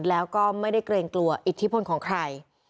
แล้วก็ไม่ได้เกรงกลัวอิทธิพลของใคร